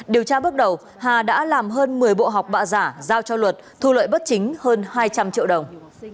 điều tra bước đầu hà đã làm hơn một mươi bộ học bạ giả giao cho luật thu lợi bất chính hơn hai trăm linh triệu đồng